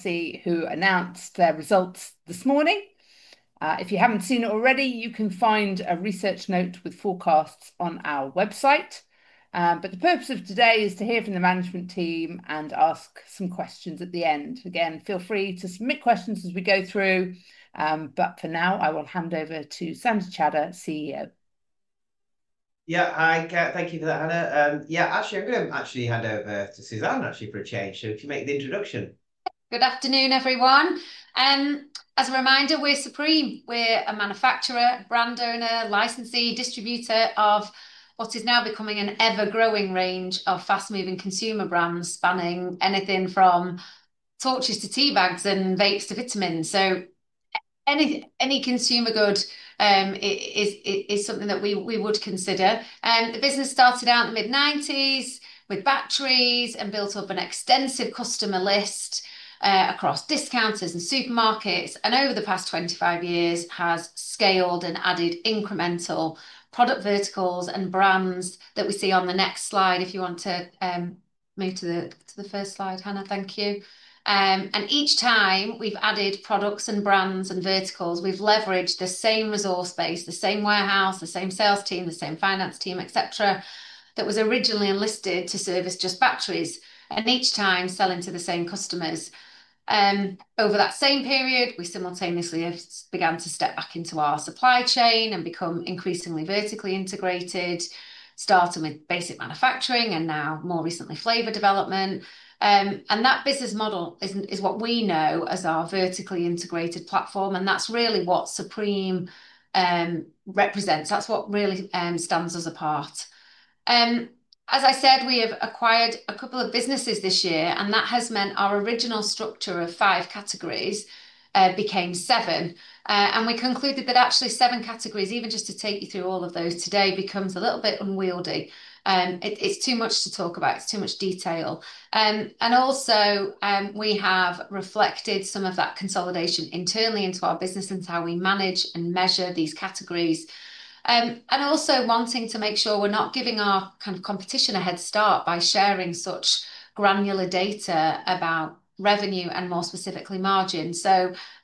See who announced their results this morning. If you have not seen it already, you can find a research note with forecasts on our website. The purpose of today is to hear from the management team and ask some questions at the end. Again, feel free to submit questions as we go through. For now, I will hand over to Sandy Chadha, CEO. Yeah, hi, thank you for that, Hannah. Yeah, actually, I'm going to hand over to Suzanne, for a change. So if you make the introduction. Good afternoon, everyone. As a reminder, we're Supreme. We're a manufacturer, brand owner, licensee, distributor of what is now becoming an ever-growing range of fast-moving consumer brands, spanning anything from torches to tea bags and vapes to vitamins. Any consumer good is something that we would consider. The business started out in the mid-1990s with batteries and built up an extensive customer list across discounters and supermarkets. Over the past 25 years, has scaled and added incremental product verticals and brands that we see on the next slide. If you want to move to the first slide, Hannah, thank you. Each time we've added products and brands and verticals, we've leveraged the same resource base, the same warehouse, the same sales team, the same finance team, etc., that was originally enlisted to service just batteries. Each time, selling to the same customers. Over that same period, we simultaneously began to step back into our supply chain and become increasingly vertically integrated, starting with basic manufacturing and now, more recently, flavor development. That business model is what we know as our vertically integrated platform. That is really what Supreme represents. That is what really stands us apart. As I said, we have acquired a couple of businesses this year, and that has meant our original structure of five categories became seven. We concluded that actually seven categories, even just to take you through all of those today, becomes a little bit unwieldy. It is too much to talk about. It is too much detail. Also, we have reflected some of that consolidation internally into our business and how we manage and measure these categories. Also wanting to make sure we're not giving our kind of competition a head start by sharing such granular data about revenue and, more specifically, margin.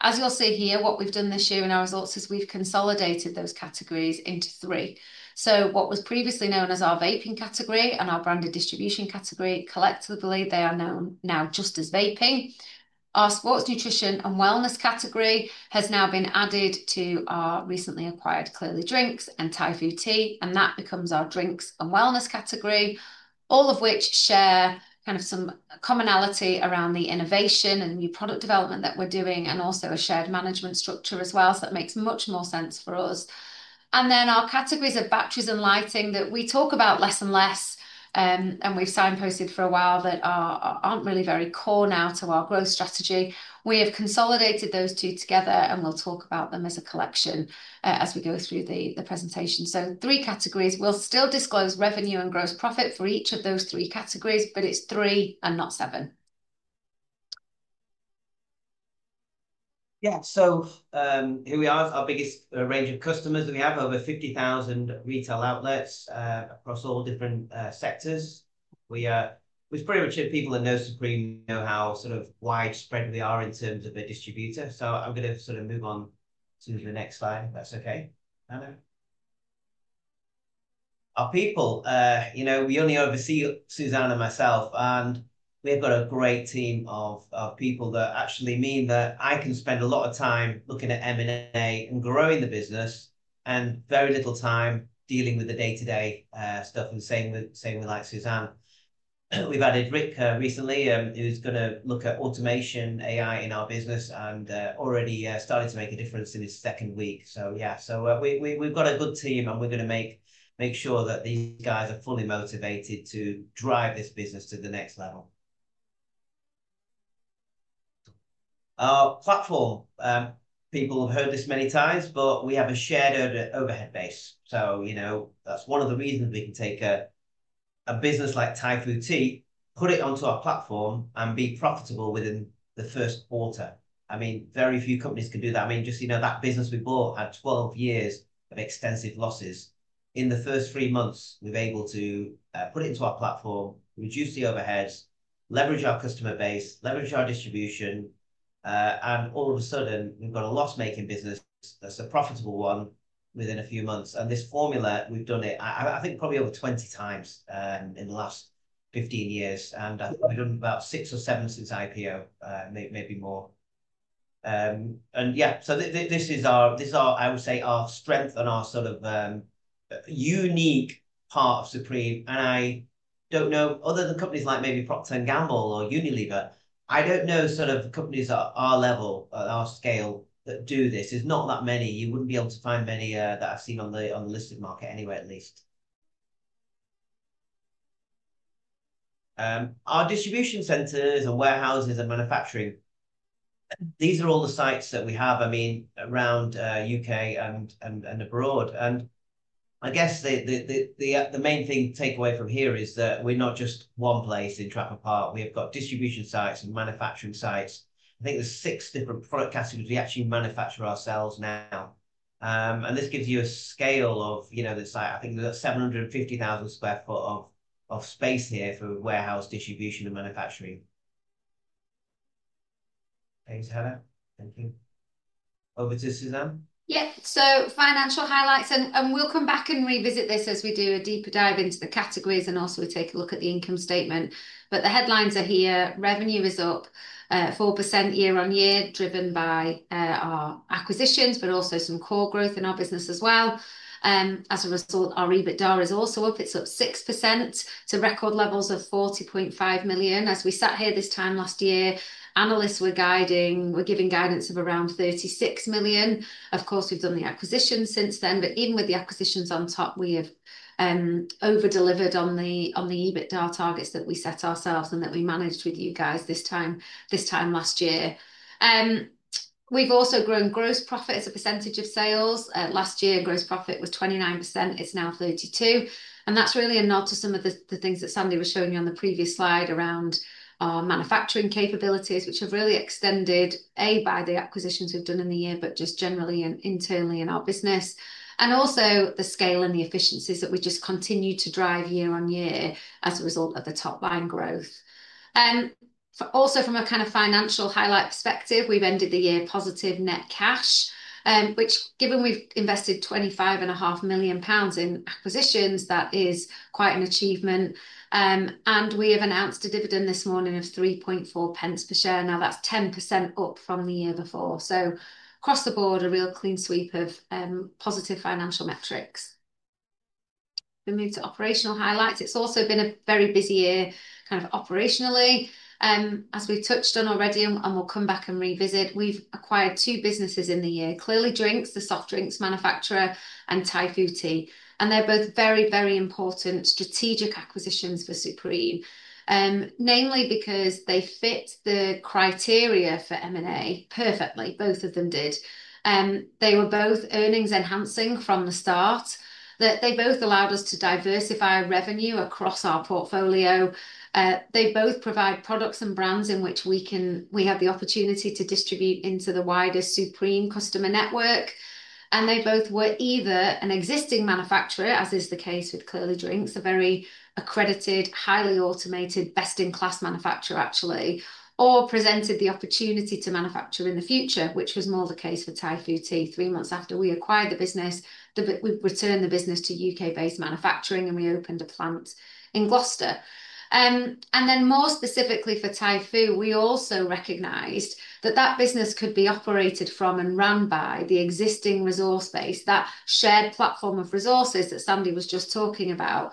As you'll see here, what we've done this year in our results is we've consolidated those categories into three. What was previously known as our vaping category and our branded distribution category, collectively, they are known now just as vaping. Our sports nutrition and wellness category has now been added to our recently acquired Clearly Drinks and Typhoo Tea. That becomes our drinks and wellness category, all of which share kind of some commonality around the innovation and new product development that we're doing and also a shared management structure as well. That makes much more sense for us. Our categories of batteries and lighting that we talk about less and less, and we've signposted for a while that aren't really very core now to our growth strategy. We have consolidated those two together, and we'll talk about them as a collection as we go through the presentation. Three categories. We'll still disclose revenue and gross profit for each of those three categories, but it's three and not seven. Yeah, so here we are. Our biggest range of customers. We have over 50,000 retail outlets across all different sectors. We pretty much have people that know Supreme know how sort of widespread we are in terms of a distributor. I'm going to sort of move on to the next slide, if that's okay. Our people, you know, we only oversee Suzanne and myself, and we've got a great team of people that actually mean that I can spend a lot of time looking at M&A and growing the business and very little time dealing with the day-to-day stuff and saying we like Suzanne. We've added Rick recently. He's going to look at automation AI in our business and already started to make a difference in his second week. Yeah, we've got a good team, and we're going to make sure that these guys are fully motivated to drive this business to the next level. Our platform, people have heard this many times, but we have a shared overhead base. You know that's one of the reasons we can take a business like Typhoo Tea, put it onto our platform, and be profitable within the first quarter. I mean, very few companies can do that. Just, you know, that business we bought had 12 years of extensive losses. In the first three months, we've been able to put it into our platform, reduce the overheads, leverage our customer base, leverage our distribution, and all of a sudden, we've got a loss-making business that's a profitable one within a few months. This formula, we've done it, I think, probably over 20 times in the last 15 years. I think we've done about six or seven since IPO, maybe more. This is our, I would say, our strength and our sort of unique part of Supreme. I do not know, other than companies like maybe Procter & Gamble or Unilever, I do not know sort of companies at our level, at our scale, that do this. There are not that many. You would not be able to find many that I have seen on the listed market anyway, at least. Our distribution centers and warehouses and manufacturing, these are all the sites that we have, I mean, around the U.K. and abroad. The main thing to take away from here is that we are not just one place in Trafalgar Park. We have got distribution sites and manufacturing sites. I think there's six different product categories we actually manufacture ourselves now. This gives you a scale of, you know, I think we've got 750,000 sq ft of space here for warehouse distribution and manufacturing. Thanks, Hannah. Thank you. Over to Suzanne. Yeah, so financial highlights. We'll come back and revisit this as we do a deeper dive into the categories and also take a look at the income statement. The headlines are here. Revenue is up 4% year on year, driven by our acquisitions, but also some core growth in our business as well. As a result, our EBITDA is also up. It's up 6% to record levels of 40.5 million. As we sat here this time last year, analysts were giving guidance of around 36 million. Of course, we've done the acquisition since then. Even with the acquisitions on top, we have over-delivered on the EBITDA targets that we set ourselves and that we managed with you guys this time last year. We've also grown gross profit as a percentage of sales. Last year, gross profit was 29%. It's now 32%. That is really a nod to some of the things that Sandy was showing you on the previous slide around our manufacturing capabilities, which have really extended, A, by the acquisitions we have done in the year, but just generally and internally in our business. Also the scale and the efficiencies that we just continue to drive year on year as a result of the top-line growth. Also, from a kind of financial highlight perspective, we have ended the year positive net cash, which, given we have invested 25.5 million pounds in acquisitions, is quite an achievement. We have announced a dividend this morning of 3.4 per share. That is 10% up from the year before. Across the board, a real clean sweep of positive financial metrics. We will move to operational highlights. It's also been a very busy year kind of operationally, as we've touched on already, and we'll come back and revisit. We've acquired two businesses in the year: Clearly Drinks, the soft drinks manufacturer, and Typhoo Tea. They are both very, very important strategic acquisitions for Supreme, namely because they fit the criteria for M&A perfectly. Both of them did. They were both earnings-enhancing from the start. They both allowed us to diversify revenue across our portfolio. They both provide products and brands in which we have the opportunity to distribute into the wider Supreme customer network. They both were either an existing manufacturer, as is the case with Clearly Drinks, a very accredited, highly automated, best-in-class manufacturer, actually, or presented the opportunity to manufacture in the future, which was more the case for Typhoo Tea. Three months after we acquired the business, we returned the business to U.K.-based manufacturing, and we opened a plant in Gloucester. More specifically for Typhoo, we also recognized that that business could be operated from and run by the existing resource base, that shared platform of resources that Sandy was just talking about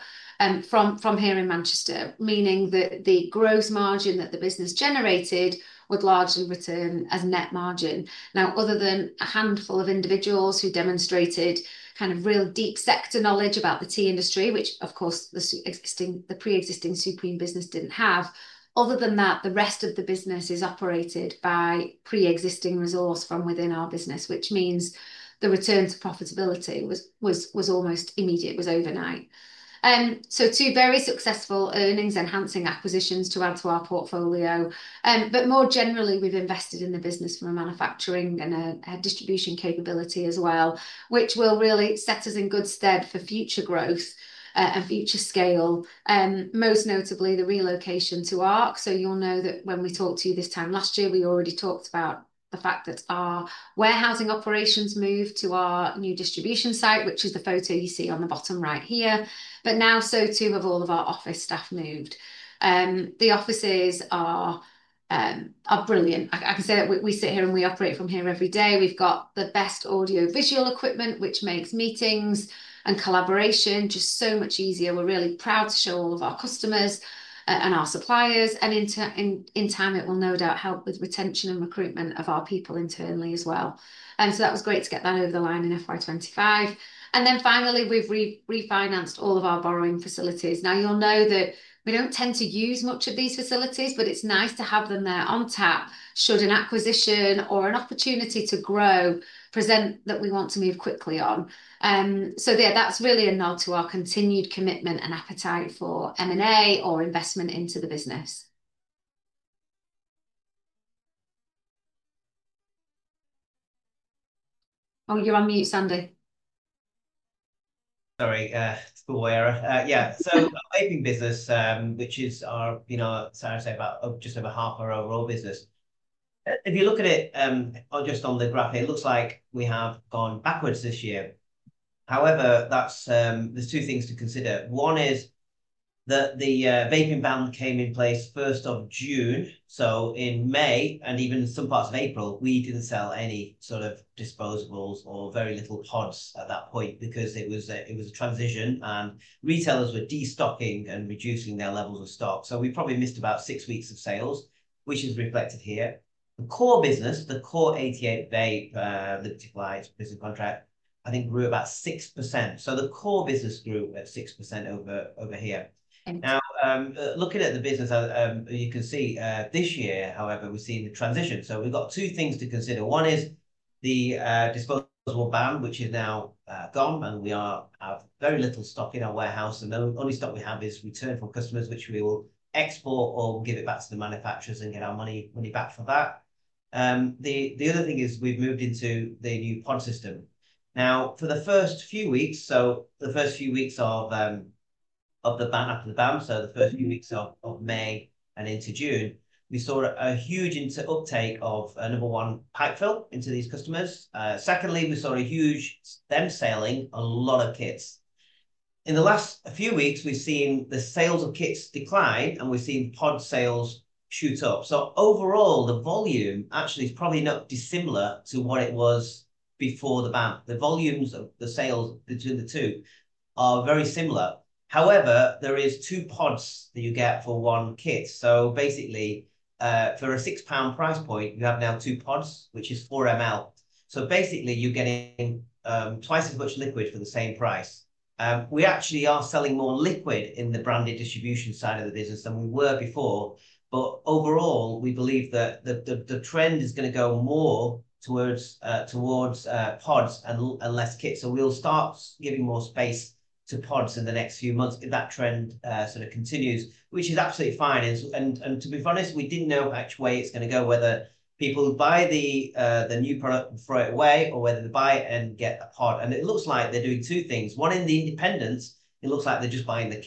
from here in Manchester, meaning that the gross margin that the business generated would largely return as net margin. Now, other than a handful of individuals who demonstrated kind of real deep sector knowledge about the tea industry, which, of course, the pre-existing Supreme business did not have, other than that, the rest of the business is operated by pre-existing resource from within our business, which means the return to profitability was almost immediate, was overnight. Two very successful earnings-enhancing acquisitions to add to our portfolio. More generally, we've invested in the business from a manufacturing and a distribution capability as well, which will really set us in good stead for future growth and future scale, most notably the relocation to Ark. You'll know that when we talked to you this time last year, we already talked about the fact that our warehousing operations moved to our new distribution site, which is the photo you see on the bottom right here. Now so too have all of our office staff moved. The offices are brilliant. I can say that we sit here and we operate from here every day. We've got the best audio-visual equipment, which makes meetings and collaboration just so much easier. We're really proud to show all of our customers and our suppliers. In time, it will no doubt help with retention and recruitment of our people internally as well. That was great to get that over the line in FY2025. Finally, we have refinanced all of our borrowing facilities. You will know that we do not tend to use much of these facilities, but it is nice to have them there on tap should an acquisition or an opportunity to grow present that we want to move quickly on. That is really a nod to our continued commitment and appetite for M&A or investment into the business. Oh, you are on mute, Sandy. Sorry. It's a good way around. Yeah. So our vaping business, which is our, you know, sorry to say, about just over half our overall business. If you look at it just on the graph, it looks like we have gone backwards this year. However, there are two things to consider. One is that the vaping ban came in place 1st of June. In May and even some parts of April, we did not sell any sort of disposables or very little pods at that point because it was a transition and retailers were destocking and reducing their levels of stock. We probably missed about six weeks of sales, which is reflected here. The core business, the core 88vape liquefied business contract, I think grew about 6%. The core business grew at 6% over here. Now, looking at the business, you can see this year, however, we've seen the transition. We have two things to consider. One is the disposable ban, which is now gone, and we have very little stock in our warehouse. The only stock we have is returned from customers, which we will export or give back to the manufacturers and get our money back for that. The other thing is we've moved into the new pod system. Now, for the first few weeks, the first few weeks of the ban after the ban, the first few weeks of May and into June, we saw a huge uptake of, number one, pipe fill into these customers. Secondly, we saw them selling a lot of kits. In the last few weeks, we've seen the sales of kits decline, and we've seen pod sales shoot up. Overall, the volume actually is probably not dissimilar to what it was before the ban. The volumes of the sales between the two are very similar. However, there are two pods that you get for one kit. Basically, for a 6 pound price point, you have now two pods, which is 4 ml. Basically, you're getting twice as much liquid for the same price. We actually are selling more liquid in the branded distribution side of the business than we were before. Overall, we believe that the trend is going to go more towards pods and less kits. We'll start giving more space to pods in the next few months if that trend sort of continues, which is absolutely fine. To be honest, we did not know which way it is going to go, whether people buy the new product and throw it away or whether they buy it and get a pod. It looks like they are doing two things. One, in the independents, it looks like they are just buying the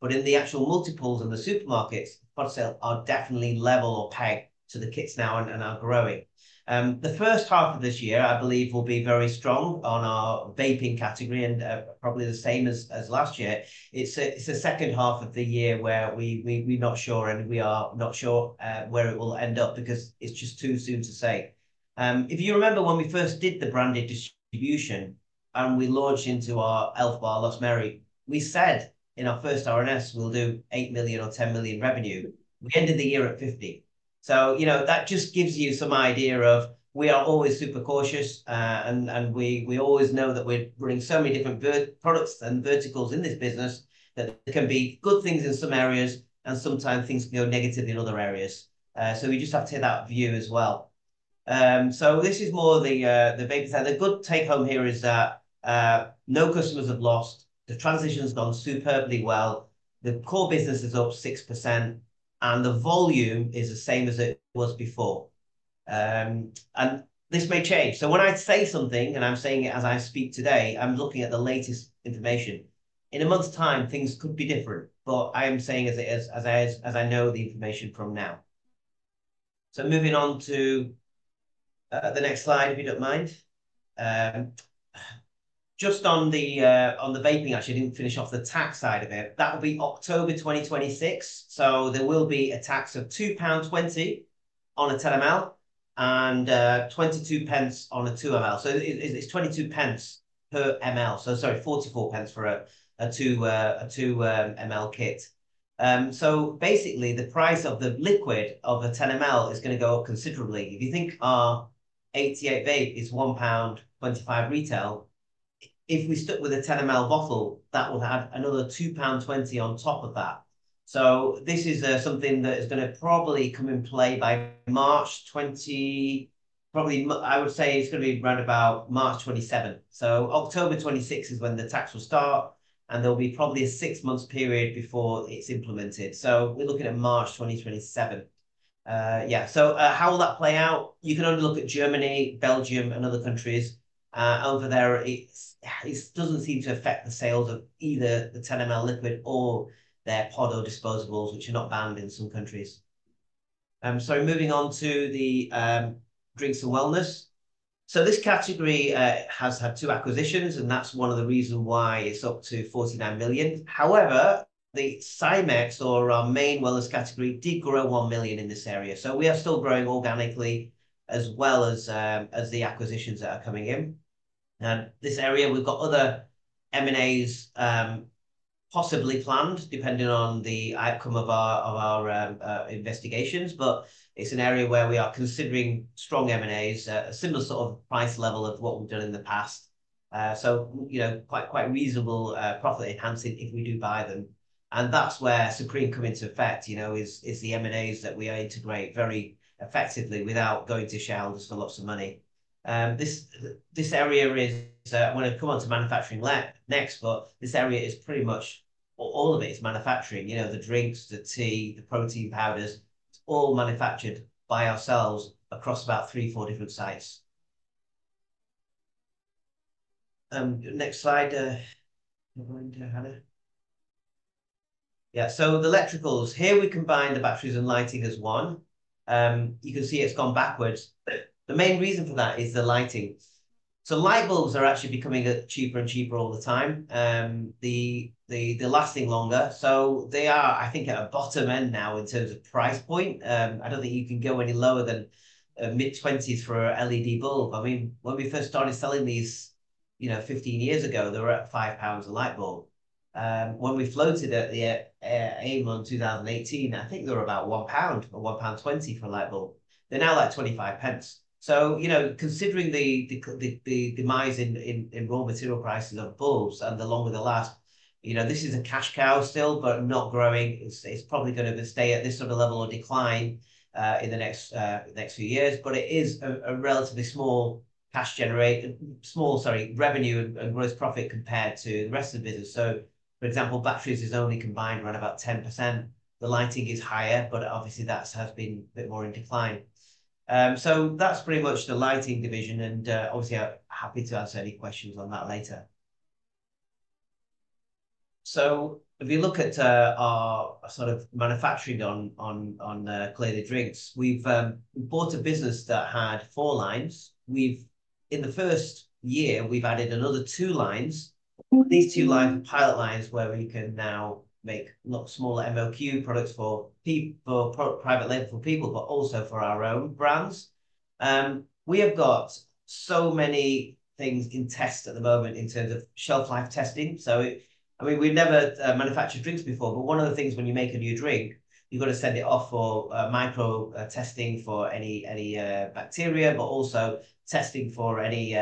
kits. In the actual multiples in the supermarkets, pod sales are definitely level or pegged to the kits now and are growing. The first half of this year, I believe, will be very strong on our vaping category and probably the same as last year. It is the second half of the year where we are not sure, and we are not sure where it will end up because it is just too soon to say. If you remember when we first did the branded distribution and we launched into our health bar, Lost Mary, we said in our first RNS, we'll do 8 million or 10 million revenue. We ended the year at 50 million. You know, that just gives you some idea of we are always super cautious, and we always know that we're running so many different products and verticals in this business that there can be good things in some areas, and sometimes things can go negatively in other areas. We just have to take that view as well. This is more the vaping side. The good take home here is that no customers have lost. The transition has gone superbly well. The core business is up 6%, and the volume is the same as it was before. This may change. When I say something, and I'm saying it as I speak today, I'm looking at the latest information. In a month's time, things could be different, but I am saying as I know the information from now. Moving on to the next slide, if you don't mind. Just on the vaping, actually, I didn't finish off the tax side of it. That will be October 2026. There will be a tax of 2.20 pound on a 10 ml and 0.22 on a 2 ml. It is 0.22 per ml. Sorry, 0.44 for a 2 ml kit. Basically, the price of the liquid of a 10 ml is going to go up considerably. If you think our 88vape is 1.25 pound retail, if we stuck with a 10 ml bottle, that would add another 2.20 pound on top of that. This is something that is going to probably come in play by March, probably, I would say it's going to be around about March 2027. October 2026 is when the tax will start, and there will be probably a six-month period before it's implemented. We're looking at March 2027. Yeah. How will that play out? You can only look at Germany, Belgium, and other countries. Over there, it doesn't seem to affect the sales of either the 10 ml liquid or their pod or disposables, which are not banned in some countries. Moving on to the drinks and wellness. This category has had two acquisitions, and that's one of the reasons why it's up to 49 million. However, the Cymex, or our main wellness category, did grow 1 million in this area. We are still growing organically as well as the acquisitions that are coming in. This area, we've got other M&As possibly planned, depending on the outcome of our investigations, but it's an area where we are considering strong M&As, a similar sort of price level of what we've done in the past. Quite reasonable profit enhancing if we do buy them. That's where Supreme come into effect, you know, is the M&As that we integrate very effectively without going to shareholders for lots of money. This area is, I want to come on to manufacturing next, but this area is pretty much, all of it is manufacturing. You know, the drinks, the tea, the protein powders, it's all manufactured by ourselves across about three, four different sites. Next slide. Yeah. The electricals. Here we combine the batteries and lighting as one. You can see it's gone backwards. The main reason for that is the lighting. Light bulbs are actually becoming cheaper and cheaper all the time. They're lasting longer. They are, I think, at a bottom end now in terms of price point. I don't think you can go any lower than GBP 0.25 for an LED bulb. I mean, when we first started selling these, you know, 15 years ago, they were at 5 pounds a light bulb. When we floated at AIM in 2018, I think they were about 1 pound or 1.20 pound for a light bulb. They're now at GBP 0.25. You know, considering the demise in raw material prices of bulbs and the longer they last, you know, this is a cash cow still, but not growing. It's probably going to stay at this sort of level or decline in the next few years. It is a relatively small cash generation, small, sorry, revenue and gross profit compared to the rest of the business. For example, batteries is only combined around about 10%. The lighting is higher, but obviously that has been a bit more in decline. That is pretty much the lighting division. Obviously, I am happy to answer any questions on that later. If you look at our sort of manufacturing on Clearly Drinks, we have bought a business that had four lines. In the first year, we have added another two lines. These two lines are pilot lines where we can now make a lot smaller MOQ products for private label for people, but also for our own brands. We have got so many things in test at the moment in terms of shelf life testing. I mean, we've never manufactured drinks before, but one of the things when you make a new drink, you've got to send it off for micro testing for any bacteria, but also testing for any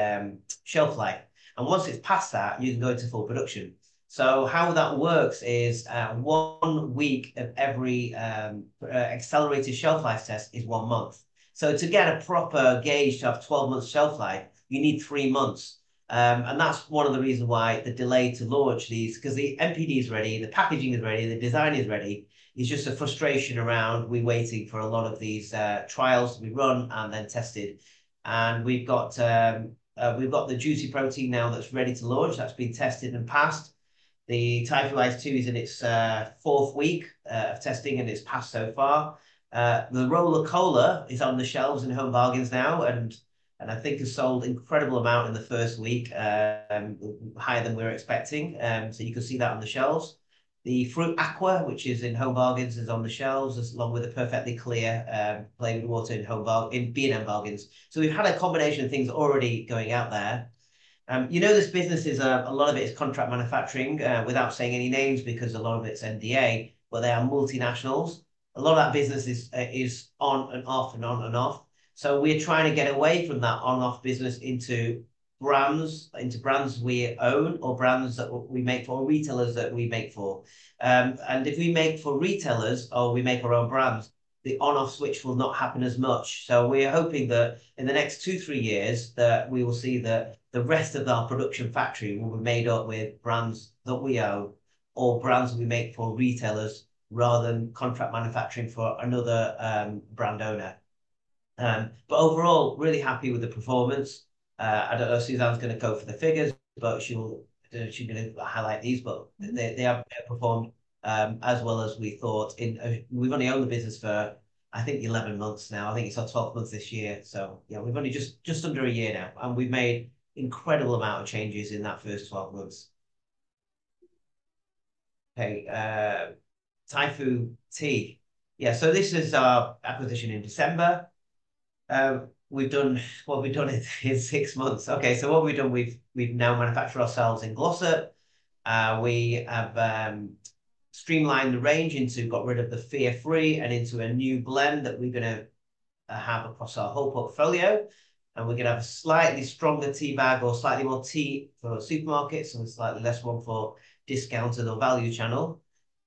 shelf life. Once it's past that, you can go into full production. How that works is one week of every accelerated shelf life test is one month. To get a proper gauge to have 12 months shelf life, you need three months. That's one of the reasons why the delay to launch these, because the MPD is ready, the packaging is ready, the design is ready. It's just a frustration around we waiting for a lot of these trials that we run and then tested. We've got the Juicy Protein now that's ready to launch. That's been tested and passed. The Typhoo Iced Tea is in its fourth week of testing, and it's passed so far. The Roll of Cola is on the shelves in Home Bargains now, and I think has sold an incredible amount in the first week, higher than we were expecting. You can see that on the shelves. The Fruit Aqua, which is in Home Bargains, is on the shelves along with the Perfectly Clear Flavored Water in B&M Bargains. We've had a combination of things already going out there. You know, this business is, a lot of it is contract manufacturing without saying any names because a lot of it's NDA, but they are multinationals. A lot of that business is on and off and on and off. We're trying to get away from that on-off business into brands we own or brands that we make for or retailers that we make for. If we make for retailers or we make our own brands, the on-off switch will not happen as much. We are hoping that in the next two, three years, we will see that the rest of our production factory will be made up with brands that we own or brands we make for retailers rather than contract manufacturing for another brand owner. Overall, really happy with the performance. I do not know if Suzanne's going to go for the figures, but she'll highlight these, but they have performed as well as we thought. We've only owned the business for, I think, 11 months now. I think it's our 12th month this year. Yeah, we've only just under a year now, and we've made an incredible amount of changes in that first 12 months. Okay. Typhoo Tea. Yeah. This is our acquisition in December. We've done what we've done in six months. Okay. What we've done, we've now manufactured ourselves in Gloucester. We have streamlined the range, got rid of the fear-free, and into a new blend that we're going to have across our whole portfolio. We're going to have a slightly stronger tea bag or slightly more tea for supermarkets and a slightly less one for discounts and the value channel.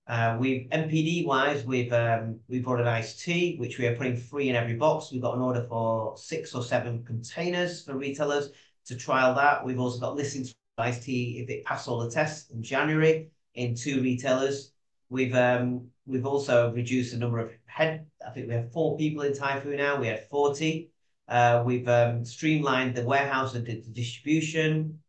MPD-wise, we've brought an iced tea, which we are putting free in every box. We've got an order for six or seven containers for retailers to trial that. We've also got listings for iced tea if it passed all the tests in January in two retailers. We've also reduced the number of heads. I think we have four people in Typhoo now. We had 40. We've streamlined the warehouse and did the distribution.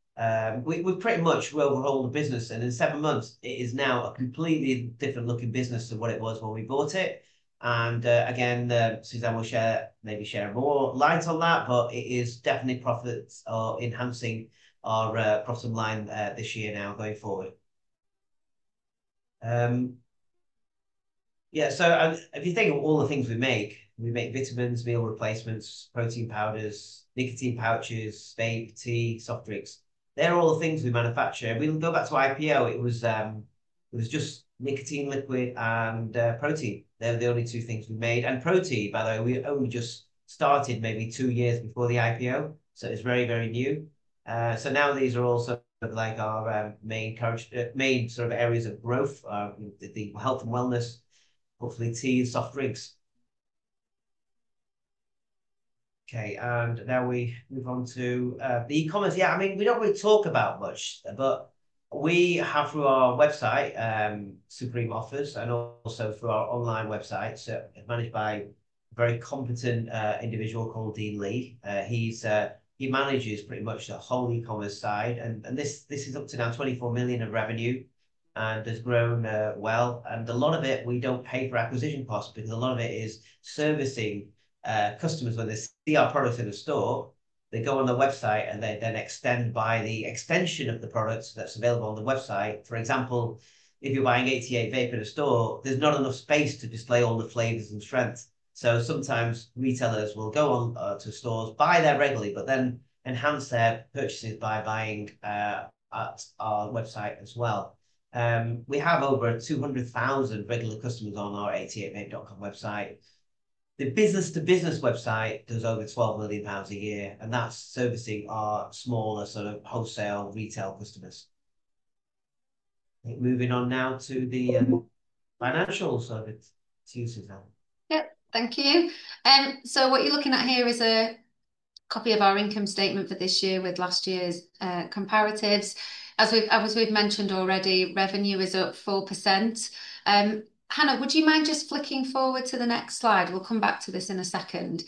We've pretty much overhauled the business. In seven months, it is now a completely different-looking business than what it was when we bought it. Suzanne will maybe share more light on that, but it is definitely profits or enhancing our bottom line this year now going forward. Yeah. If you think of all the things we make, we make vitamins, meal replacements, protein powders, nicotine pouches, baby tea, soft drinks. They're all the things we manufacture. If we go back to IPO, it was just nicotine liquid and protein. They were the only two things we made. Protein, by the way, we only just started maybe two years before the IPO. It is very, very new. These are also like our main sort of areas of growth, the health and wellness, hopefully tea and soft drinks. Okay. Now we move on to the e-commerce. Yeah. I mean, we do not really talk about much, but we have through our website, Supreme Offers, and also through our online website. Managed by a very competent individual called Dean Lee. He manages pretty much the whole e-commerce side. This is up to now 24 million in revenue and has grown well. A lot of it, we do not pay for acquisition costs because a lot of it is servicing customers. When they see our products in the store, they go on the website and they then extend by the extension of the products that is available on the website. For example, if you're buying 88vape in a store, there's not enough space to display all the flavors and strengths. Sometimes retailers will go on to stores, buy there regularly, but then enhance their purchases by buying at our website as well. We have over 200,000 regular customers on our 88vape.com website. The business-to-business website does over 12 million pounds a year, and that's servicing our smaller sort of wholesale retail customers. Moving on now to the financials. It is you, Suzanne. Yep. Thank you. What you're looking at here is a copy of our income statement for this year with last year's comparatives. As we've mentioned already, revenue is up 4%. Hannah, would you mind just flicking forward to the next slide? We'll come back to this in a second.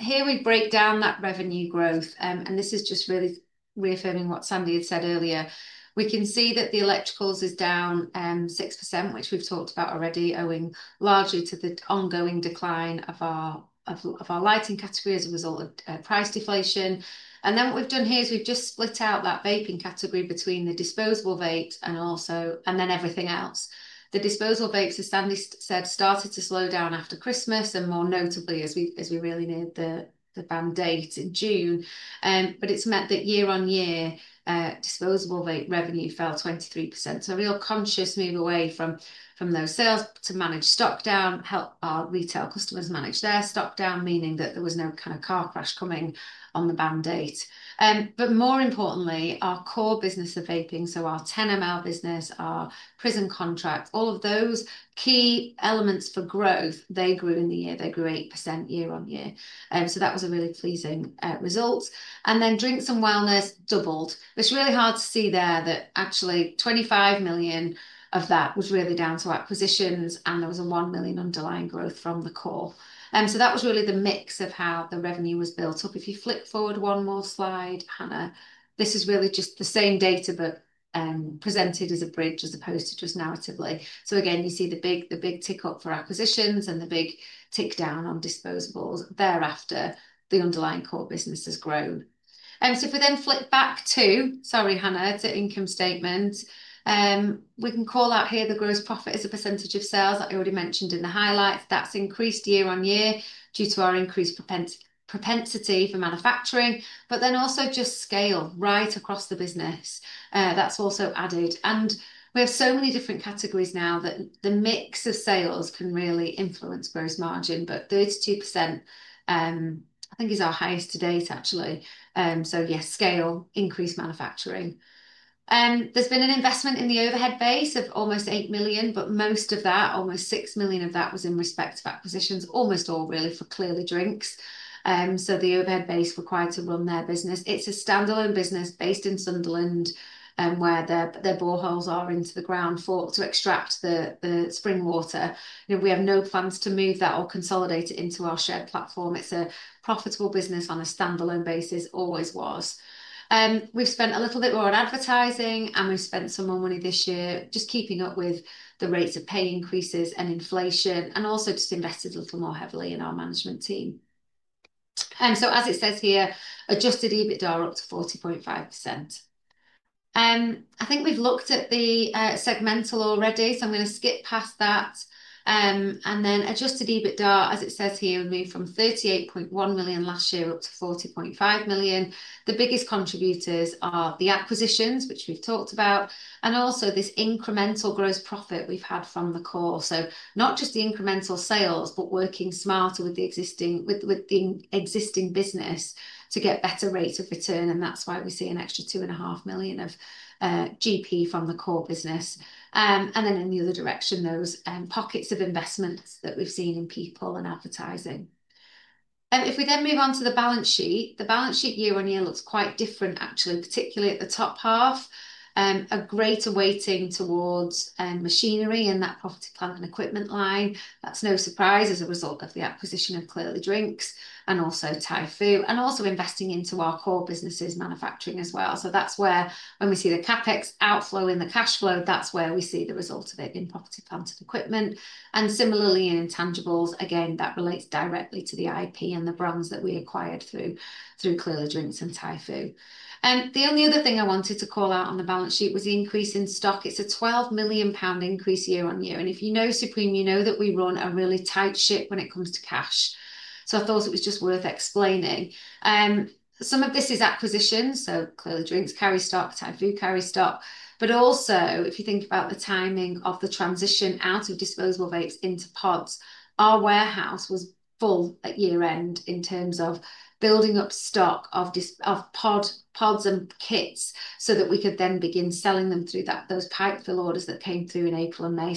Here we break down that revenue growth. This is just really reaffirming what Sandy had said earlier. We can see that the electricals is down 6%, which we've talked about already, owing largely to the ongoing decline of our lighting category as a result of price deflation. What we've done here is we've just split out that vaping category between the disposable vape and then everything else. The disposable vapes, as Sandy said, started to slow down after Christmas and more notably as we really need the ban date in June. It has meant that year on year, disposable vape revenue fell 23%. A real conscious move away from those sales to manage stock down, help our retail customers manage their stock down, meaning that there was no kind of car crash coming on the ban date. More importantly, our core business of vaping, so our 10 ml business, our prison contract, all of those key elements for growth, they grew in the year. They grew 8% year on year. That was a really pleasing result. Drinks and wellness doubled. It is really hard to see there that actually 25 million of that was really down to acquisitions and there was a 1 million underlying growth from the core. That was really the mix of how the revenue was built up. If you flick forward one more slide, Hannah, this is really just the same data but presented as a bridge as opposed to just narratively. Again, you see the big tick up for acquisitions and the big tick down on disposables thereafter, the underlying core business has grown. If we then flick back to, sorry, Hannah, to income statements, we can call out here the gross profit as a percentage of sales that I already mentioned in the highlights. That has increased year on year due to our increased propensity for manufacturing, but then also just scale right across the business. That has also added. We have so many different categories now that the mix of sales can really influence gross margin, but 32% I think is our highest to date actually. Yes, scale increased manufacturing. There has been an investment in the overhead base of almost 8 million, but most of that, almost 6 million of that was in respect of acquisitions, almost all really for Clearly Drinks. The overhead base required to run their business. It's a standalone business based in Sunderland where their boreholes are into the ground to extract the spring water. We have no funds to move that or consolidate it into our shared platform. It's a profitable business on a standalone basis, always was. We've spent a little bit more on advertising and we've spent some more money this year just keeping up with the rates of pay increases and inflation and also just invested a little more heavily in our management team. As it says here, adjusted EBITDA are up to 40.5%. I think we've looked at the segmental already, so I'm going to skip past that. Adjusted EBITDA, as it says here, we moved from 38.1 million last year up to 40.5 million. The biggest contributors are the acquisitions, which we've talked about, and also this incremental gross profit we've had from the core. Not just the incremental sales, but working smarter with the existing business to get better rates of return. That is why we see an extra 2.5 million of GP from the core business. In the other direction, those pockets of investments that we have seen in people and advertising. If we then move on to the balance sheet, the balance sheet year on year looks quite different actually, particularly at the top half. A greater weighting towards machinery and that property, plant, and equipment line. That is no surprise as a result of the acquisition of Clearly Drinks and also Typhoo and also investing into our core businesses' manufacturing as well. That is where when we see the CapEx outflow in the cash flow, that is where we see the result of it in property, plant, and equipment. Similarly in intangibles, again, that relates directly to the IP and the brands that we acquired through Clearly Drinks and Typhoo. The only other thing I wanted to call out on the balance sheet was the increase in stock. It is a 12 million pound increase year on year. If you know Supreme, you know that we run a really tight ship when it comes to cash. I thought it was just worth explaining. Some of this is acquisition. Clearly Drinks carry stock, Typhoo carry stock. Also, if you think about the timing of the transition out of disposable vapes into pods, our warehouse was full at year-end in terms of building up stock of pods and kits so that we could then begin selling them through those pipe fill orders that came through in April and May.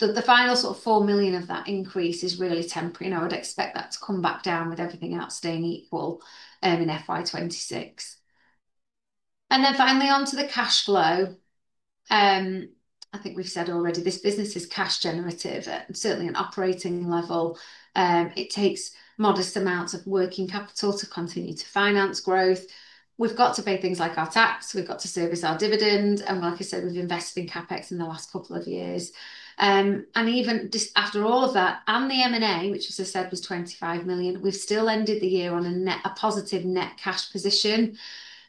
The final sort of 4 million of that increase is really temporary. I would expect that to come back down with everything else staying equal in FY2026. Finally, onto the cash flow. I think we've said already this business is cash generative at certainly an operating level. It takes modest amounts of working capital to continue to finance growth. We've got to pay things like our tax. We've got to service our dividends. Like I said, we've invested in CapEx in the last couple of years. Even after all of that and the M&A, which as I said was 25 million, we've still ended the year on a positive net cash position,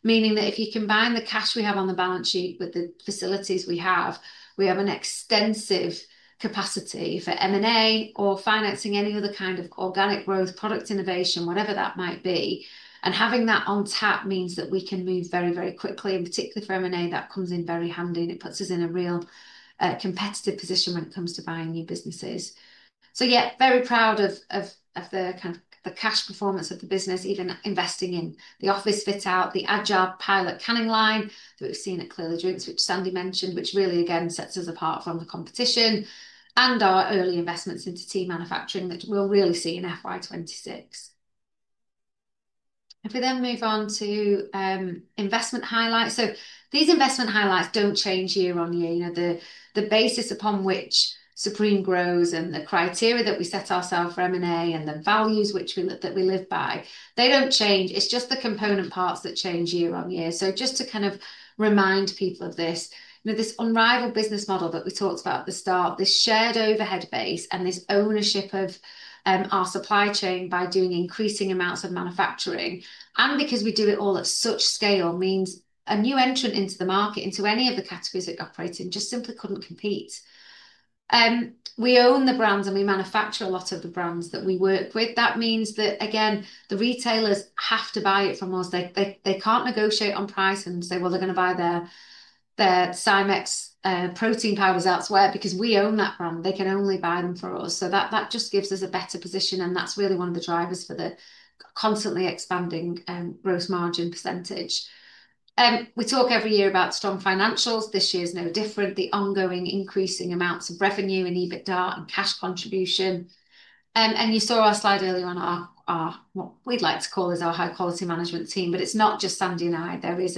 meaning that if you combine the cash we have on the balance sheet with the facilities we have, we have an extensive capacity for M&A or financing any other kind of organic growth, product innovation, whatever that might be. Having that on tap means that we can move very, very quickly. Particularly for M&A, that comes in very handy. It puts us in a real competitive position when it comes to buying new businesses. Yeah, very proud of the kind of cash performance of the business, even investing in the office fit out, the agile pilot canning line that we've seen at Clearly Drinks, which Sandy mentioned, which really again sets us apart from the competition and our early investments into tea manufacturing that we'll really see in FY2026. If we then move on to investment highlights. These investment highlights do not change year on year. The basis upon which Supreme grows and the criteria that we set ourselves for M&A and the values that we live by, they do not change. It's just the component parts that change year on year. Just to kind of remind people of this unrivaled business model that we talked about at the start, this shared overhead base and this ownership of our supply chain by doing increasing amounts of manufacturing and because we do it all at such scale means a new entrant into the market, into any of the categories that we're operating, just simply couldn't compete. We own the brands and we manufacture a lot of the brands that we work with. That means that, again, the retailers have to buy it from us. They can't negotiate on price and say, "Well, they're going to buy their Cymex protein powders elsewhere because we own that brand. They can only buy them from us." That just gives us a better position. That's really one of the drivers for the constantly expanding gross margin %. We talk every year about strong financials. This year is no different. The ongoing increasing amounts of revenue and EBITDA and cash contribution. You saw our slide earlier on our what we'd like to call is our high-quality management team. It is not just Sandy and I. There is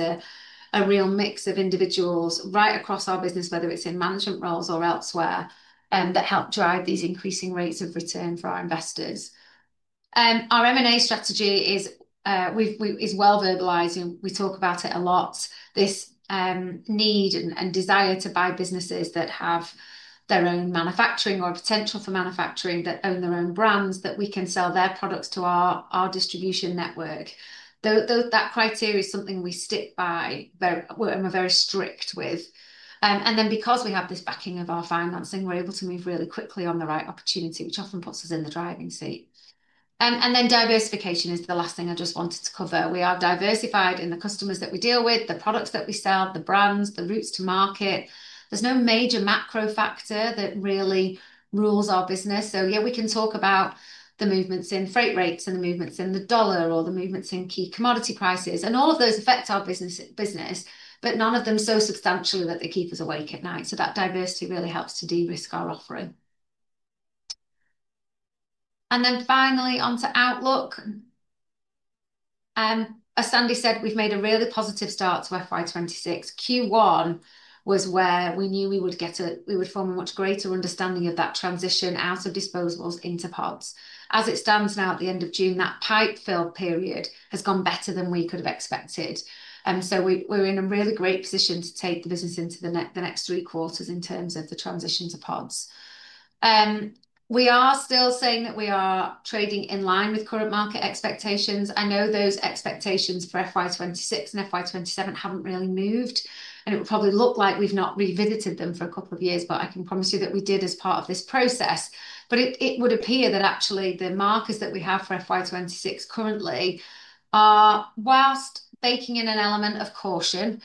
a real mix of individuals right across our business, whether it is in management roles or elsewhere, that help drive these increasing rates of return for our investors. Our M&A strategy is well verbalized. We talk about it a lot, this need and desire to buy businesses that have their own manufacturing or potential for manufacturing that own their own brands that we can sell their products to our distribution network. That criteria is something we stick by and we are very strict with. Because we have this backing of our financing, we're able to move really quickly on the right opportunity, which often puts us in the driving seat. Diversification is the last thing I just wanted to cover. We are diversified in the customers that we deal with, the products that we sell, the brands, the routes to market. There is no major macro factor that really rules our business. Yeah, we can talk about the movements in freight rates and the movements in the dollar or the movements in key commodity prices. All of those affect our business, but none of them so substantially that they keep us awake at night. That diversity really helps to de-risk our offering. Finally, onto Outlook. As Sandy said, we've made a really positive start to FY2026. Q1 was where we knew we would get a we would form a much greater understanding of that transition out of disposables into pods. As it stands now at the end of June, that pipe fill period has gone better than we could have expected. We are in a really great position to take the business into the next three quarters in terms of the transition to pods. We are still saying that we are trading in line with current market expectations. I know those expectations for FY2026 and FY2027 have not really moved. It would probably look like we have not revisited them for a couple of years, but I can promise you that we did as part of this process. It would appear that actually the markers that we have for FY2026 currently are, whilst baking in an element of caution,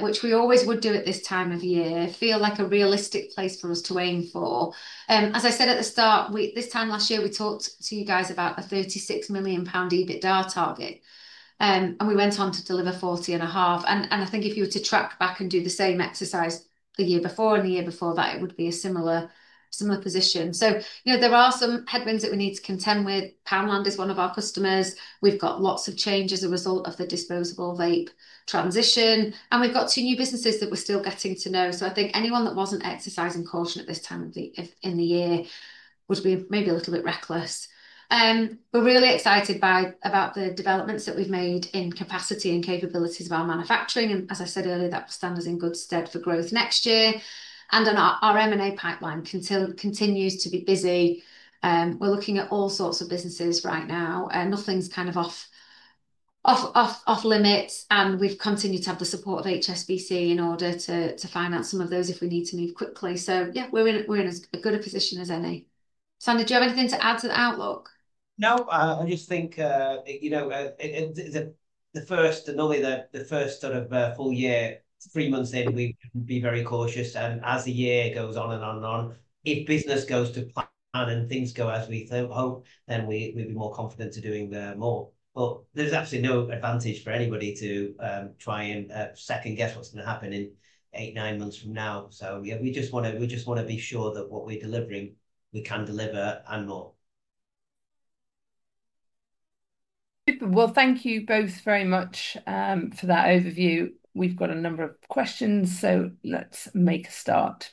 which we always would do at this time of year, feel like a realistic place for us to aim for. As I said at the start, this time last year, we talked to you guys about a 36 million pound EBITDA target. We went on to deliver 40.5 million. I think if you were to track back and do the same exercise the year before and the year before that, it would be a similar position. There are some headwinds that we need to contend with. Poundland is one of our customers. We've got lots of change as a result of the disposable vape transition. We've got two new businesses that we're still getting to know. I think anyone that was not exercising caution at this time of the year would be maybe a little bit reckless. We are really excited about the developments that we have made in capacity and capabilities of our manufacturing. As I said earlier, that will stand us in good stead for growth next year. Our M&A pipeline continues to be busy. We are looking at all sorts of businesses right now. Nothing is kind of off limits. We have continued to have the support of HSBC in order to finance some of those if we need to move quickly. We are in as good a position as any. Sandy, do you have anything to add to the outlook? No, I just think the first, not only the first sort of full year, three months in, we should be very cautious. As the year goes on and on and on, if business goes to plan and things go as we hope, then we'll be more confident to doing more. There is absolutely no advantage for anybody to try and second guess what's going to happen in eight, nine months from now. We just want to be sure that what we're delivering, we can deliver and more. Thank you both very much for that overview. We've got a number of questions, so let's make a start.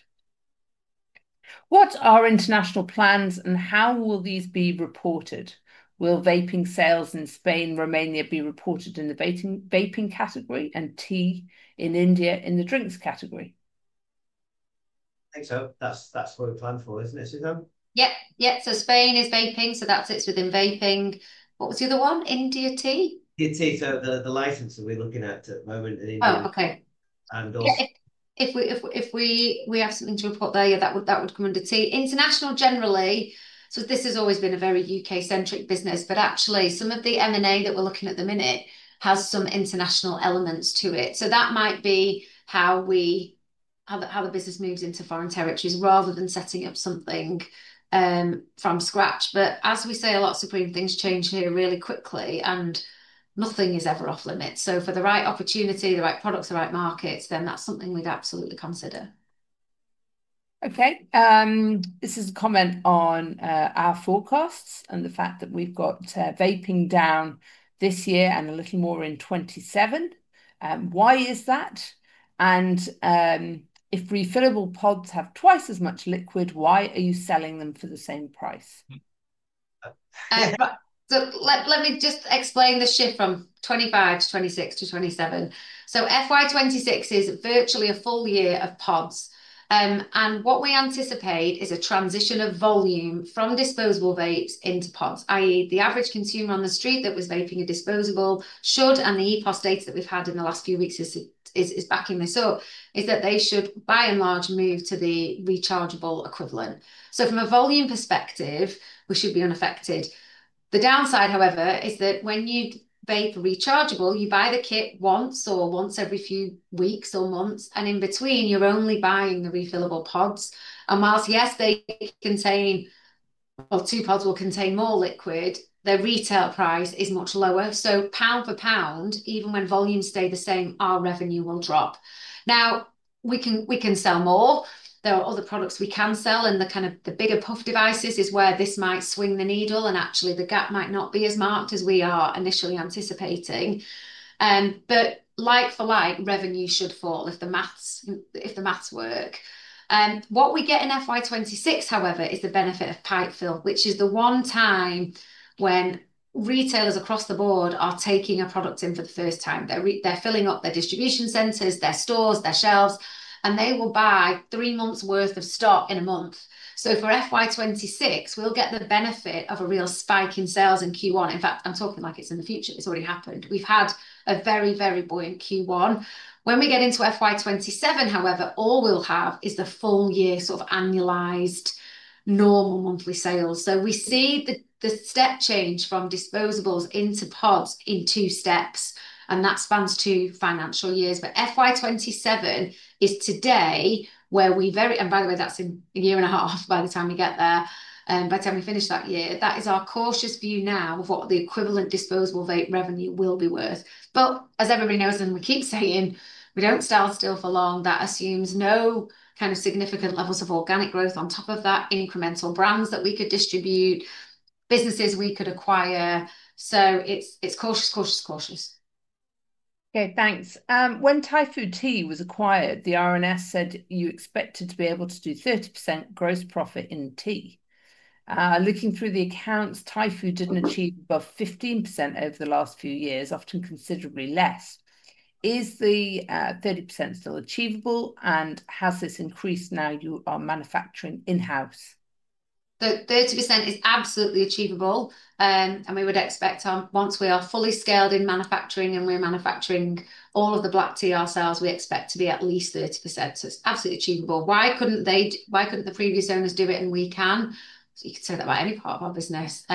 What are international plans and how will these be reported? Will vaping sales in Spain remain there, be reported in the vaping category, and tea in India in the drinks category? I think so. That's what we plan for, isn't it, Suzanne? Yep. Yep. Spain is vaping, so that sits within vaping. What was the other one? India tea? India tea. The license that we're looking at at the moment in India. Oh, okay. Also, if we have something to report there, yeah, that would come under tea. International generally, this has always been a very U.K.-centric business, but actually some of the M&A that we're looking at the minute has some international elements to it. That might be how the business moves into foreign territories rather than setting up something from scratch. As we say, a lot of Supreme things change here really quickly and nothing is ever off limits. For the right opportunity, the right products, the right markets, then that's something we'd absolutely consider. Okay. This is a comment on our forecasts and the fact that we've got vaping down this year and a little more in 2027. Why is that? If refillable pods have twice as much liquid, why are you selling them for the same price? Let me just explain the shift from 2025 to 2026 to 2027. FY2026 is virtually a full year of pods. What we anticipate is a transition of volume from disposable vapes into pods, i.e., the average consumer on the street that was vaping a disposable should, and the e-post date that we have had in the last few weeks is backing this up, is that they should by and large move to the rechargeable equivalent. From a volume perspective, we should be unaffected. The downside, however, is that when you vape rechargeable, you buy the kit once or once every few weeks or months, and in between, you are only buying the refillable pods. Whilst, yes, they contain or two pods will contain more liquid, their retail price is much lower. Pound for pound, even when volumes stay the same, our revenue will drop. Now, we can sell more. There are other products we can sell. The kind of the bigger puff devices is where this might swing the needle and actually the gap might not be as marked as we are initially anticipating. Like for like, revenue should fall if the maths work. What we get in FY2026, however, is the benefit of pipe fill, which is the one time when retailers across the board are taking a product in for the first time. They are filling up their distribution centers, their stores, their shelves, and they will buy three months' worth of stock in a month. For FY26, we'll get the benefit of a real spike in sales in Q1. In fact, I'm talking like it's in the future. It's already happened. We've had a very, very buoyant Q1. When we get into FY27, however, all we'll have is the full year sort of annualized normal monthly sales. We see the step change from disposables into pods in two steps, and that spans two financial years. FY27 is today where we very—and by the way, that's a year and a half by the time we get there, by the time we finish that year. That is our cautious view now of what the equivalent disposable vape revenue will be worth. As everybody knows, and we keep saying, we don't sell still for long. That assumes no kind of significant levels of organic growth on top of that incremental brands that we could distribute, businesses we could acquire. So it's cautious, cautious, cautious. Okay, thanks. When Typhoo Tea was acquired, the RNS said you expected to be able to do 30% gross profit in tea. Looking through the accounts, Typhoo didn't achieve above 15% over the last few years, often considerably less. Is the 30% still achievable? And has this increased now you are manufacturing in-house? The 30% is absolutely achievable. And we would expect once we are fully scaled in manufacturing and we're manufacturing all of the black tea ourselves, we expect to be at least 30%. So it's absolutely achievable. Why couldn't the previous owners do it and we can? You could say that about any part of our business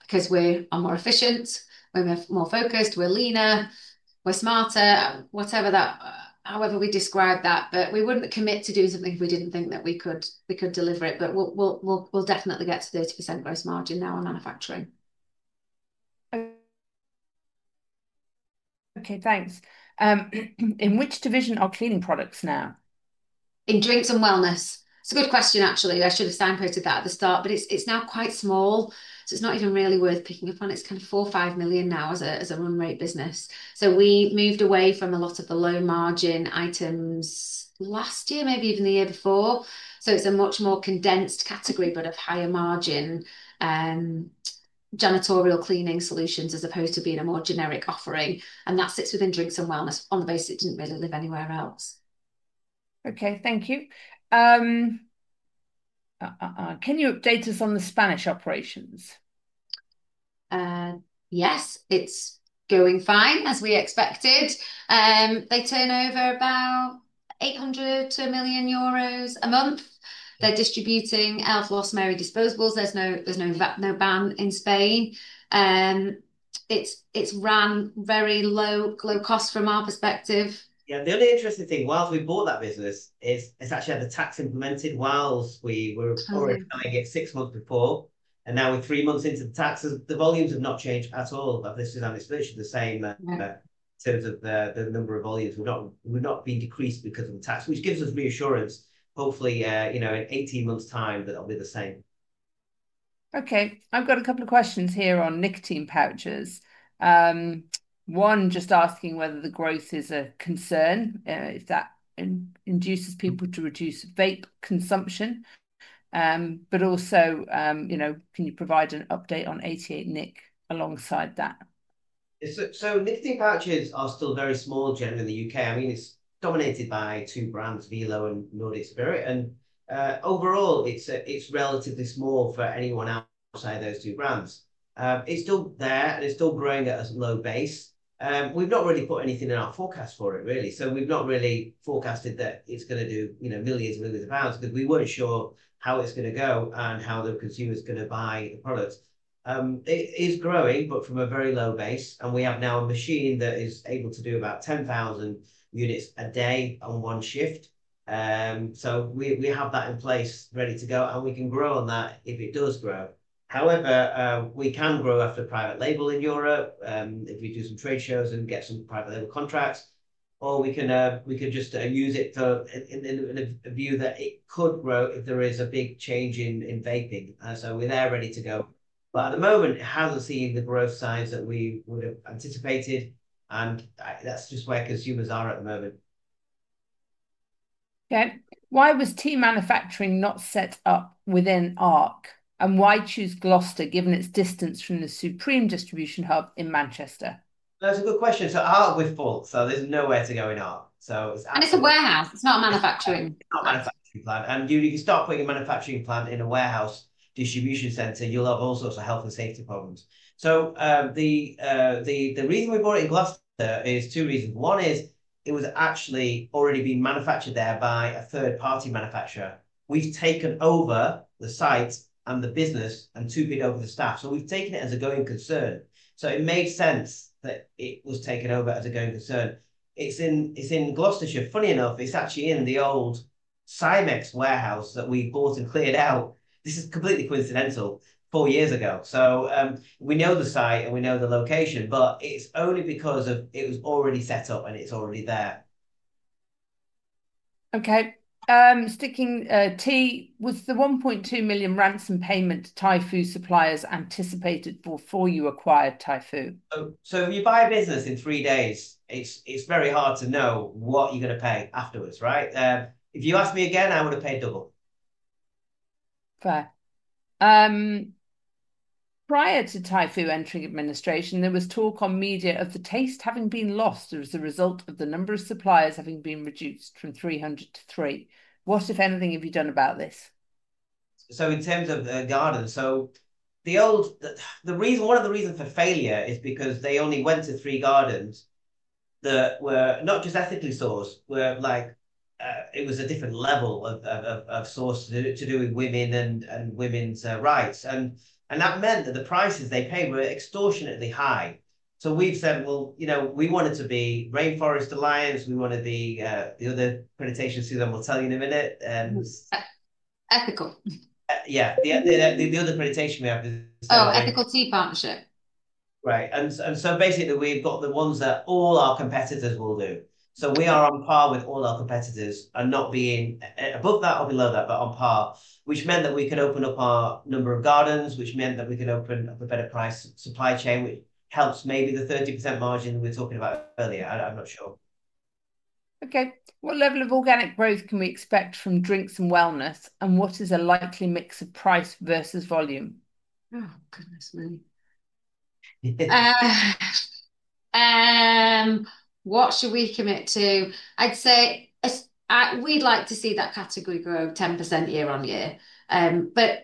because we're more efficient, we're more focused, we're leaner, we're smarter, whatever that, however we describe that. We wouldn't commit to doing something if we didn't think that we could deliver it. We'll definitely get to 30% gross margin now in manufacturing. Okay, thanks. In which division are cleaning products now? In drinks and wellness. It's a good question, actually. I should have signposted that at the start, but it's now quite small. It's not even really worth picking up on. It's kind of 4-5 million now as a run rate business. We moved away from a lot of the low margin items last year, maybe even the year before. It's a much more condensed category, but of higher margin janitorial cleaning solutions as opposed to being a more generic offering. That sits within drinks and wellness on the basis it did not really live anywhere else. Okay, thank you. Can you update us on the Spanish operations? Yes, it is going fine as we expected. They turn over about 800,000-1 million euros a month. They are distributing Elf Bar, Lost Mary disposables. There is no ban in Spain. It is run very low cost from our perspective. The only interesting thing whilst we bought that business is it actually had the tax implemented while we were already buying it six months before. Now we are three months into the taxes. The volumes have not changed at all. This is unexpectedly the same in terms of the number of volumes. We have not been decreased because of the tax, which gives us reassurance, hopefully, in 18 months' time that it will be the same. Okay. I have got a couple of questions here on nicotine pouches. One just asking whether the growth is a concern, if that induces people to reduce vape consumption. Also, can you provide an update on 88 Nick alongside that? Nicotine pouches are still very small, generally, in the U.K. I mean, it is dominated by two brands, Velo and Nordic Spirit. Overall, it is relatively small for anyone outside those two brands. It is still there, and it is still growing at a low base. We have not really put anything in our forecast for it, really. We have not really forecasted that it is going to do millions and millions of GBP because we were not sure how it is going to go and how the consumer is going to buy the product. It is growing, but from a very low base. We have now a machine that is able to do about 10,000 units a day on one shift. We have that in place ready to go, and we can grow on that if it does grow. However, we can grow after private label in Europe if we do some trade shows and get some private label contracts. Or we can just use it in a view that it could grow if there is a big change in vaping. We are there ready to go. At the moment, it has not seen the growth signs that we would have anticipated. That is just where consumers are at the moment. Okay. Why was tea manufacturing not set up within ARC? Why choose Gloucester given its distance from the Supreme Distribution Hub in Manchester? That is a good question. Ark with Paul, there is nowhere to go in Ark. It is a warehouse. It is not a manufacturing plant. You can stop putting a manufacturing plant in a warehouse distribution center. You'll have all sorts of health and safety problems. The reason we bought it in Gloucester is two reasons. One is it was actually already being manufactured there by a third-party manufacturer. We've taken over the site and the business and two people over the staff. We've taken it as a going concern. It made sense that it was taken over as a going concern. It's in Gloucester. Funny enough, it's actually in the old Cymex warehouse that we bought and cleared out. This is completely coincidental four years ago. We know the site and we know the location, but it's only because it was already set up and it's already there. Okay. Sticking tea, was the 1.2 million ransom payment Typhoo suppliers anticipated before you acquired Typhoo? If you buy a business in three days, it's very hard to know what you're going to pay afterwards, right? If you ask me again, I would have paid double. Fair. Prior to Typhoo entering administration, there was talk on media of the taste having been lost as a result of the number of suppliers having been reduced from 300 to 3. What, if anything, have you done about this? In terms of the garden, one of the reasons for failure is because they only went to three gardens that were not just ethically sourced, where it was a different level of source to do with women and women's rights. That meant that the prices they paid were extortionately high. We said we wanted to be Rainforest Alliance. We want to be the other accreditation Suzanne will tell you in a minute. Ethical. Yeah. The other accreditation we have is, oh, Ethical Tea Partnership. Right. And so basically, we've got the ones that all our competitors will do. So we are on par with all our competitors and not being above that or below that, but on par, which meant that we can open up our number of gardens, which meant that we can open up a better price supply chain, which helps maybe the 30% margin we're talking about earlier. I'm not sure. Okay. What level of organic growth can we expect from drinks and wellness? And what is a likely mix of price versus volume? Oh, goodness me. What should we commit to? I'd say we'd like to see that category grow 10% year on year.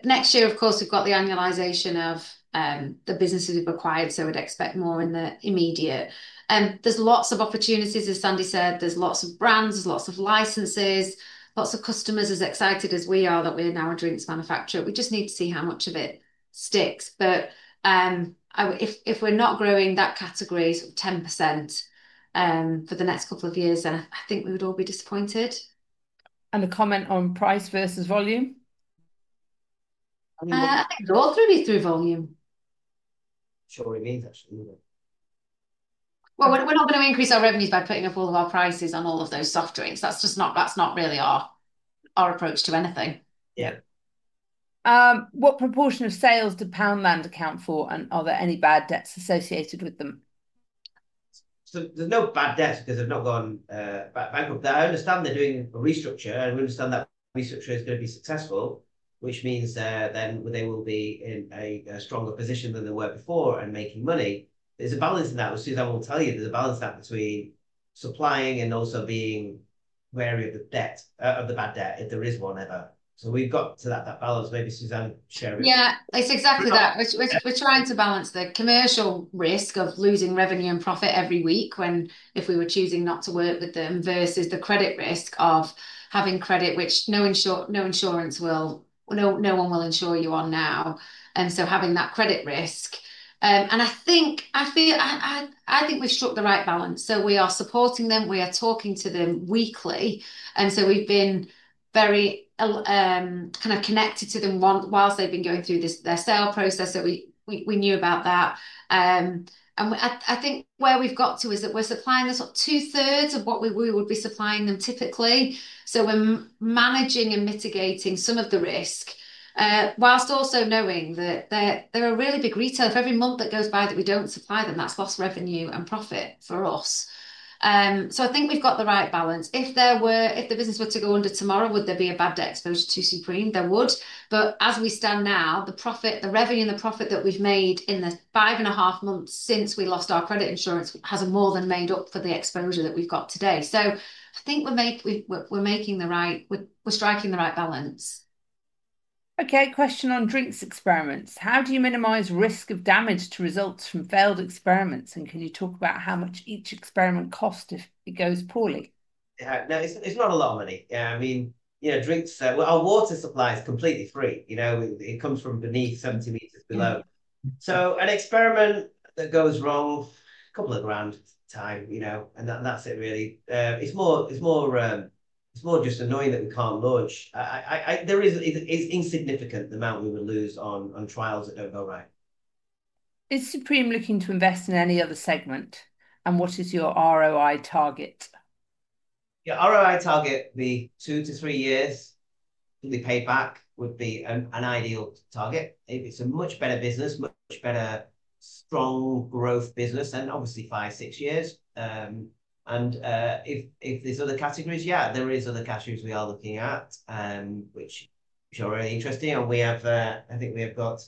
Next year, of course, we've got the annualization of the businesses we've acquired, so we'd expect more in the immediate. There's lots of opportunities, as Sandy said. There's lots of brands, there's lots of licenses, lots of customers as excited as we are that we're now a drinks manufacturer. We just need to see how much of it sticks. If we're not growing that category at 10% for the next couple of years, I think we would all be disappointed. The comment on price versus volume? I think all three is through volume. It is, actually. We're not going to increase our revenues by putting up all of our prices on all of those soft drinks. That's not really our approach to anything. Yeah. What proportion of sales did Poundland account for, and are there any bad debts associated with them? There's no bad debts because they've not gone bankrupt. I understand they're doing a restructure, and we understand that restructure is going to be successful, which means then they will be in a stronger position than they were before and making money. There's a balance in that. Suzanne will tell you there's a balance in that between supplying and also being wary of the debt, of the bad debt, if there is one ever. So we've got to that balance. Maybe Suzanne share it. Yeah, it's exactly that. We're trying to balance the commercial risk of losing revenue and profit every week if we were choosing not to work with them versus the credit risk of having credit, which no insurance will, no one will insure you on now. And so having that credit risk. I think we've struck the right balance. We are supporting them. We are talking to them weekly. We have been very kind of connected to them whilst they have been going through their sale process. We knew about that. I think where we have got to is that we are supplying them two-thirds of what we would be supplying them typically. We are managing and mitigating some of the risk whilst also knowing that there are really big retailers. For every month that goes by that we do not supply them, that is lost revenue and profit for us. I think we have got the right balance. If the business were to go under tomorrow, would there be a bad debt exposure to Supreme? There would. As we stand now, the revenue and the profit that we have made in the five and a half months since we lost our credit insurance has more than made up for the exposure that we have today. I think we're making the right, we're striking the right balance. Okay, question on drinks experiments. How do you minimize risk of damage to results from failed experiments? And can you talk about how much each experiment costs if it goes poorly? Yeah, no, it's not a lot of money. I mean, our water supply is completely free. It comes from beneath 70 meters below. An experiment that goes wrong, a couple of grand time, and that's it really. It's more just annoying that we can't launch. It's insignificant the amount we would lose on trials that don't go right. Is Supreme looking to invest in any other segment? And what is your ROI target? Yeah, ROI target, the two to three years to be paid back would be an ideal target. If it's a much better business, much better strong growth business, then obviously five, six years. If there are other categories, yeah, there are other categories we are looking at, which are interesting. I think we have got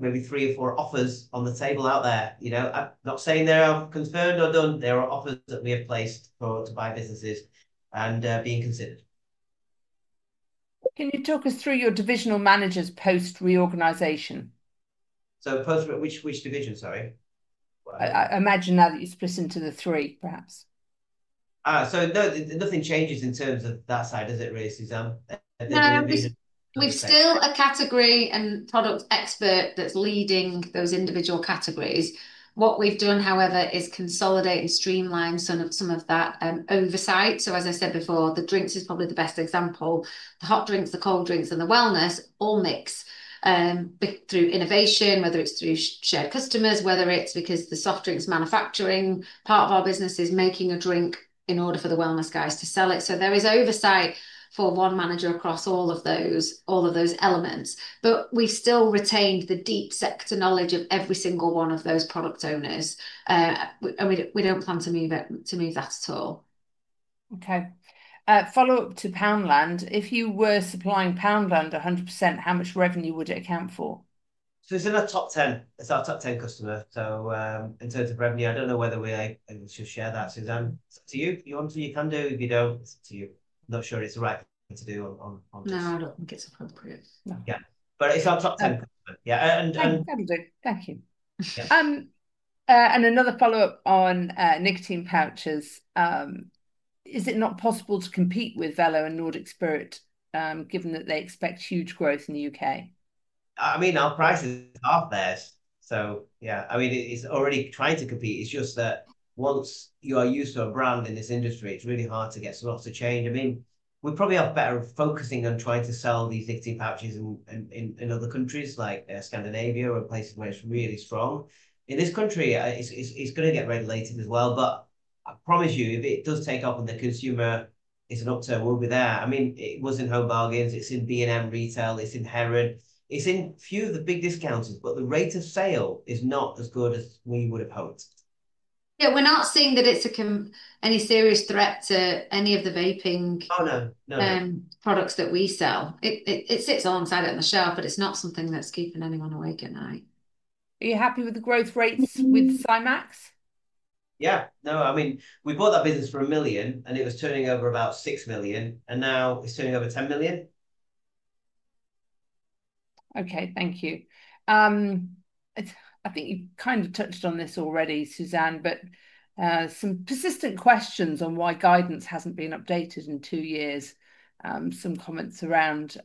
maybe three or four offers on the table out there. Not saying they're confirmed or done. There are offers that we have placed to buy businesses and being considered. Can you talk us through your divisional manager's post-reorganization? Which division, sorry? I imagine now that you've split into the three, perhaps. Nothing changes in terms of that side, does it really, Suzanne? No, we're still a category and product expert that's leading those individual categories. What we've done, however, is consolidate and streamline some of that oversight. As I said before, the drinks is probably the best example. The hot drinks, the cold drinks, and the wellness all mix through innovation, whether it's through shared customers, whether it's because the soft drinks manufacturing part of our business is making a drink in order for the wellness guys to sell it. There is oversight for one manager across all of those elements. We have still retained the deep sector knowledge of every single one of those product owners. We do not plan to move that at all. Okay. Follow up to Poundland. If you were supplying Poundland 100%, how much revenue would it account for? It is in our top 10. It is our top 10 customer. In terms of revenue, I do not know whether we should share that, Suzanne. It is up to you. You want to, you can do. If you do not, it is up to you. I am not sure it is the right thing to do on this. No, I don't think it's appropriate. Yeah. But it's our top 10 customer. Yeah. And I can do. Thank you. Another follow-up on nicotine pouches. Is it not possible to compete with Velo and Nordic Spirit given that they expect huge growth in the U.K.? I mean, our prices are theirs. Yeah, I mean, it's already trying to compete. It's just that once you are used to a brand in this industry, it's really hard to get lots of change. I mean, we probably are better focusing on trying to sell these nicotine pouches in other countries like Scandinavia or places where it's really strong. In this country, it's going to get regulated as well. I promise you, if it does take off and the consumer is an upturn, we'll be there. I mean, it was in Home Bargains. It's in B&M Bargains. It's in Heron Foods. It's in a few of the big discounters, but the rate of sale is not as good as we would have hoped. Yeah, we're not seeing that it's any serious threat to any of the vaping products that we sell. It sits alongside it on the shelf, but it's not something that's keeping anyone awake at night. Are you happy with the growth rates with Cymex? Yeah. No, I mean, we bought that business for 1 million, and it was turning over about 6 million. And now it's turning over 10 million. Okay, thank you. I think you kind of touched on this already, Suzanne, but some persistent questions on why guidance hasn't been updated in two years. Some comments around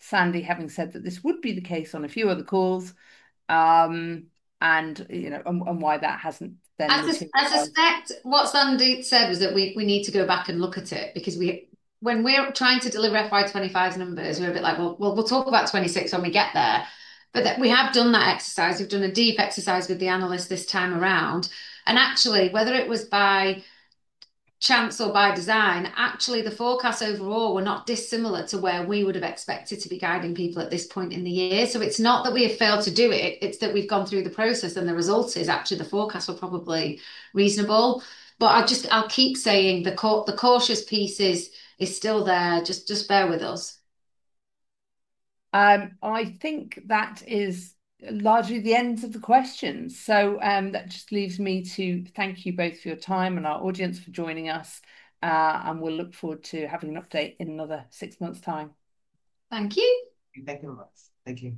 Sandy having said that this would be the case on a few other calls and why that hasn't been updated. I suspect what Sandy said was that we need to go back and look at it because when we're trying to deliver FY25's numbers, we're a bit like, well, we'll talk about 26 when we get there. We have done that exercise. We've done a deep exercise with the analysts this time around. Actually, whether it was by chance or by design, the forecasts overall were not dissimilar to where we would have expected to be guiding people at this point in the year. It is not that we have failed to do it. We have gone through the process, and the result is the forecasts were probably reasonable. I'll keep saying the cautious piece is still there. Just bear with us. I think that is largely the end of the questions. That just leaves me to thank you both for your time and our audience for joining us. We will look forward to having an update in another six months' time. Thank you. Thank you very much. Thank you.